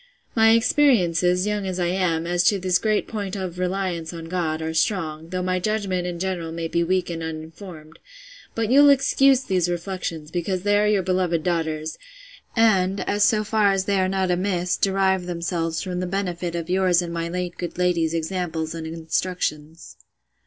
—My experiences, young as I am, as to this great point of reliance on God, are strong, though my judgment in general may be weak and uninformed: but you'll excuse these reflections, because they are your beloved daughter's; and, so far as they are not amiss, derive themselves from the benefit of yours and my late good lady's examples and instructions.